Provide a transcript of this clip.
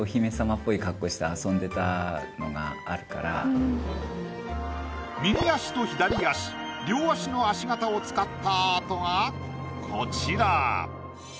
娘も右足と左足両足の足形を使ったアートがこちら。